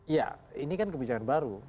ya ini kan kebijakan baru